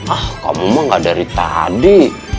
ah kamu mah gak dari tadi